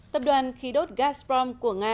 tập đoàn khí đốt gazprom của nga